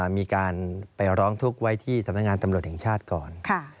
มีการไปร้องทุกข์ไว้ที่สำนักงานตำรวจแห่งชาติก่อน